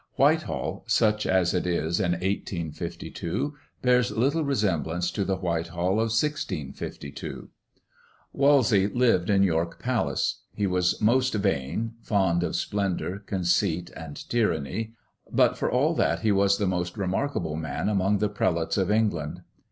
Whitehall, such as it is in 1852, bears little resemblance to the Whitehall of 1652. Wolsey lived in York Palace. He was most vain, fond of splendour, conceit, and tyranny; but for all that, he was the most remarkable man among the prelates of England.